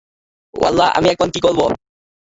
ও আল্লাহ, আমি এখন কী করব?